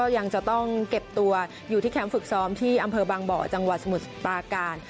อยู่ที่แคมป์ฝึกซ้อมที่อำเภอบางเบาะจังหวัดสมุทรปาการ